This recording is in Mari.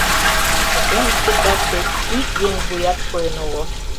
Пушеҥге коклаште ик еҥ вуят койын огыл.